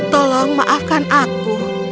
tolong maafkan aku